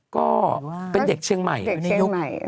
ก็เป็นเด็กเชียงใหม่อยู่ในยุค